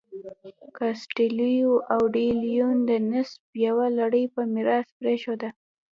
کاسټیلو او ډي لیون د نسب یوه لړۍ په میراث پرېښوده.